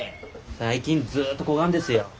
最近ずっとこがんですよ。